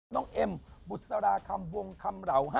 เอ็มบุษราคำวงคำเหล่า